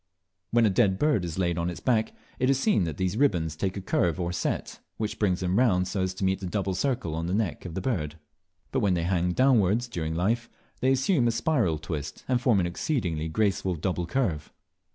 When a dead bird is laid on its back, it is seen that these ribands take a curve or set, which brings them round so as to meet in a double circle on the neck of the bird; but when they hang downwards, during life, they assume a spiral twist, and form an exceedingly graceful double curve.